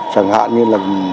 chẳng hạn như là